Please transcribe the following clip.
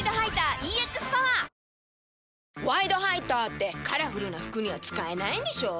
「ワイドハイター」ってカラフルな服には使えないんでしょ？